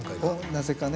なぜかね。